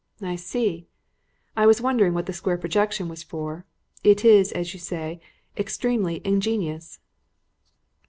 "I see. I was wondering what the square projection was for. It is, as you say, extremely ingenious."